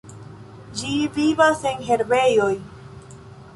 Ĝi vivas en herbejoj.